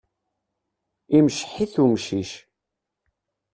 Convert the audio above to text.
Imceḥ-it umcic.